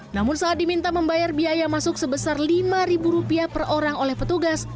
namun saat diminta membayar biaya masuk sebesar lima rupiah per orang oleh petugas